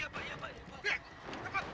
bukan bukan pak